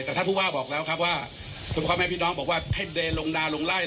แต่ท่านผู้ว่าบอกแล้วครับว่าคุณพ่อแม่พี่น้องบอกว่าให้เดินลงดาลงไล่